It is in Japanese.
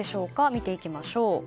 見ていきましょう。